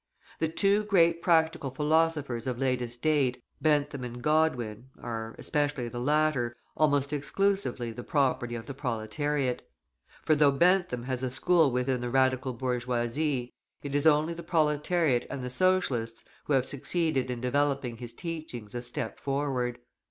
The two great practical philosophers of latest date, Bentham and Godwin, are, especially the latter, almost exclusively the property of the proletariat; for though Bentham has a school within the Radical bourgeoisie, it is only the proletariat and the Socialists who have succeeded in developing his teachings a step forward.